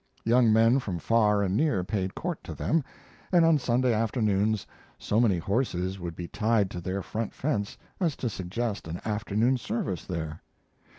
Young men from far and near paid court to them, and on Sunday afternoons so many horses would be tied to their front fence as to suggest an afternoon service there.